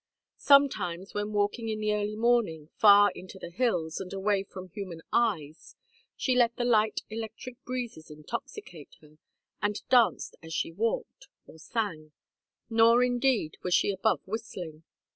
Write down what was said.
Sometimes, when walking in the early morning, far into the hills, and away from human eyes, she let the light electric breezes intoxicate her, and danced as she walked, or sang; nor, indeed, was she above whistling.